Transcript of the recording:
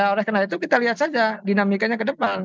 oleh karena itu kita lihat saja dinamikanya ke depan